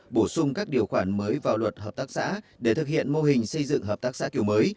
bổ sung các điều khoản mới vào luật hợp tác xã để thực hiện mô hình xây dựng hợp tác xã kiểu mới